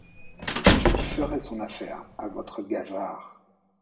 Je lui ferai son affaire, à votre Gavard.